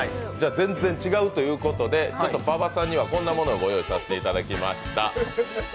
全然違うということで、馬場さんにはこんなものをご用意させていただきました。